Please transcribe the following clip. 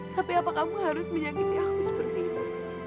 tapi apakah kamu harus menyakiti aku seperti itu